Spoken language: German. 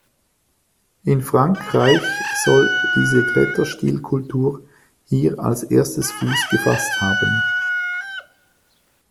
In Frankreich soll diese Kletterstil-Kultur hier als erstes Fuß gefasst haben.